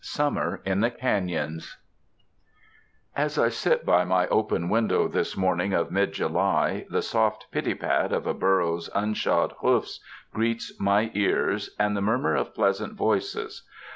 Summer in the Canons As I sit by my open window this morning of mid July, the soft pitty pat of a burro's unshod hoofs greets my ears, and the murmur of pleasant voices.